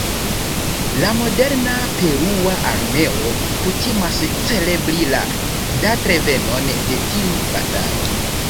La moderna perua armeo kutimas celebri la datrevenon de tiu batalo.